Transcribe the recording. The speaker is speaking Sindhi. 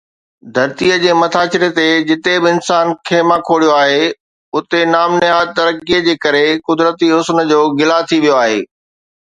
ڌرتيءَ جي مٿاڇري تي جتي به انسان خيما کوڙيو آهي، اتي نام نهاد ترقيءَ جي ڪري قدرتي حسن جو گلا ٿي ويو آهي.